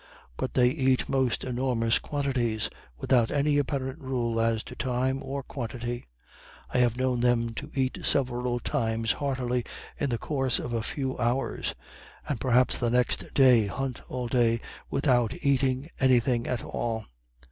But they eat most enormous quantities, without any apparent rule as to time or quantity. I have known them to eat several times heartily in the course of a few hours; and perhaps the next day hunt all day without eating any thing at all.